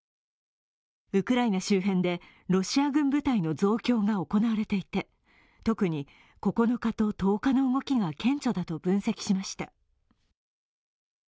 ウクライナ周辺でロシア軍部隊の増強が行われていて特に９日と１０日の動きが顕著だと分析しました。